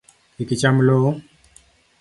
Kik icham lowo.